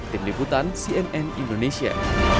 tim liputan cnn indonesia